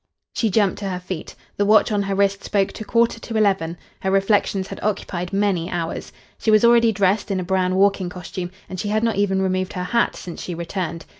She jumped to her feet. The watch on her wrist spoke to quarter to eleven. Her reflections had occupied many hours. She was already dressed in a brown walking costume, and she had not even removed her hat since she returned.